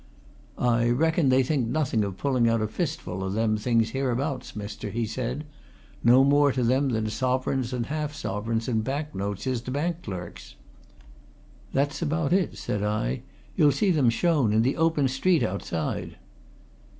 "I reckon they think nothing of pulling out a fistful o' them things hereabouts, mister," he said. "No more to them than sovereigns and half sovereigns and bank notes is to bank clerks." "That's about it," said I. "You'll see them shown in the open street outside."